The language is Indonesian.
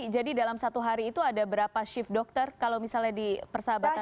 jadi dalam satu hari itu ada berapa shift dokter kalau misalnya di persahabatan